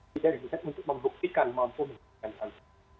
tidak didesain untuk membuktikan mampu menentukan tansi